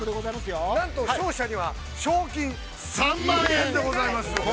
◆何と勝者には、賞金３万円でございます。